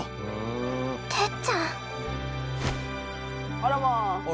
あらまあ。